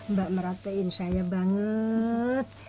mbak meratain saya banget